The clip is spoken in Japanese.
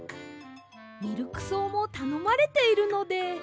ミルクそうもたのまれているので。